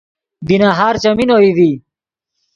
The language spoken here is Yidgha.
بی نہار چیمین اوئی ڤی